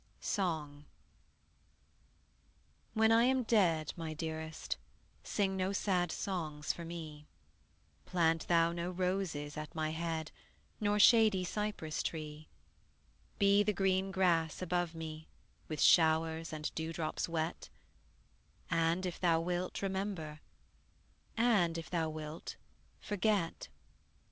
SONG. When I am dead, my dearest, Sing no sad songs for me; Plant thou no roses at my head, Nor shady cypress tree: Be the green grass above me With showers and dewdrops wet; And if thou wilt, remember, And if thou wilt, forget.